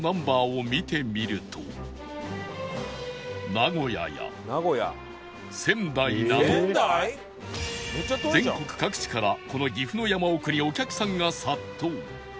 名古屋や仙台など全国各地からこの岐阜の山奥にお客さんが殺到